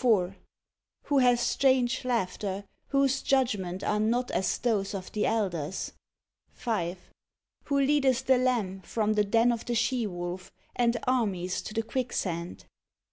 Who hath strange laughter, Whose judgments are not as those of the elders; 5. Who leadeth the lamb from the den of the she wolf, and armies to the quicksand; 6.